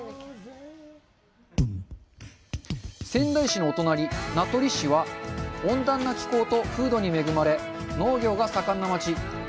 仙台市のお隣、名取市は温暖な気候と風土に恵まれ農業が盛んな町。